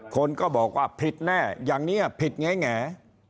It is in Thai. คนก็บอกว่าผิดแน่อย่างนี้ผิดแง่